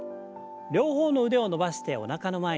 両方の腕を伸ばしておなかの前に。